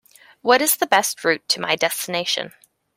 What is the best route to my destination?